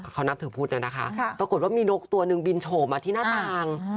เขานับถือพุทธนะคะปรากฏว่ามีนกตัวหนึ่งบินโฉมาที่หน้าต่าง